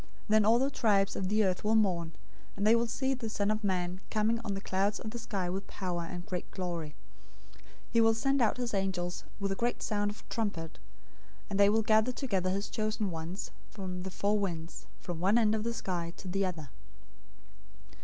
Then all the tribes of the earth will mourn, and they will see the Son of Man coming on the clouds of the sky with power and great glory. 024:031 He will send out his angels with a great sound of a trumpet, and they will gather together his chosen ones from the four winds, from one end of the sky to the other.